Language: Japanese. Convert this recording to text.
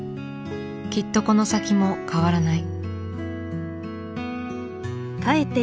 きっとこの先も変わらない。